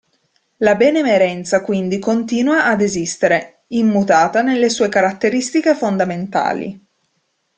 La benemerenza quindi continua ad esistere, immutata nelle sue caratteristiche fondamentali.